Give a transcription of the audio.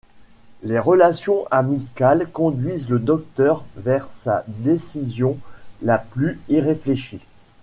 Les relations amicales conduisent le Docteur vers sa décision la plus irréfléchie.